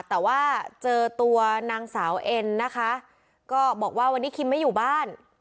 แต่ว่าเจอตัวนางสาวเอ็นนะคะก็บอกว่าวันนี้คิมไม่อยู่บ้าน